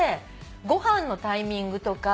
ご飯のタイミングとか。